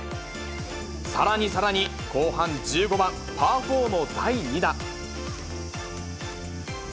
さらにさらに、後半１５番パー４の第２打。